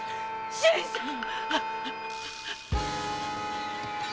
新さん！